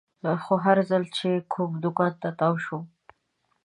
خو هر ځل چې کوم دوکان ته تاو شوم.